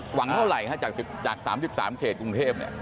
หวังเท่าไหร่ฮะจาก๓๓เขตกรุงเทพ